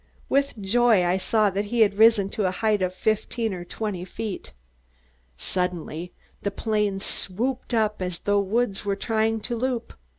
With joy I saw he had risen to the height of fifteen or twenty feet. Suddenly the plane swooped up as though Woods were trying to loop.